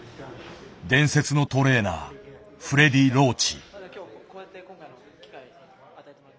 伝説のトレーナーフレディ・ローチ。